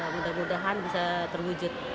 mudah mudahan bisa terwujud